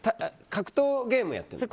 格闘ゲームやってるの？